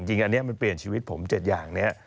จริงอันนี้มันเปลี่ยนชีวิตผม๗อย่างนี้